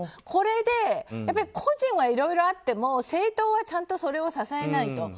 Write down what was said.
これで、個人はいろいろあっても政党はちゃんとそれを支えないと。